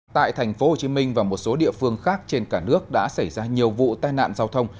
tại tp hcm và một số địa phương khác trên cả nước đã xảy ra nhiều vụ tai nạn giao thông